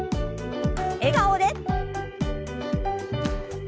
笑顔で。